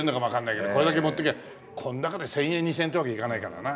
これだけ持ってくりゃこんだけで１０００円２０００円ってわけにはいかないからな。